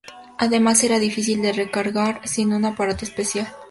Además era difícil de recargar sin un aparato especial.